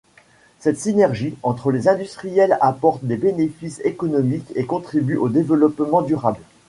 Cette synergie entre les industriels apporte des bénéfices économiques et contribue au développement durable.